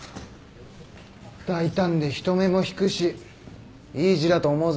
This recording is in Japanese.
大胆で人目も引くしいい字だと思うぞ。